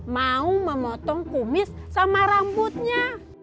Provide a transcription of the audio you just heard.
mau memotong kumis sama rambutnya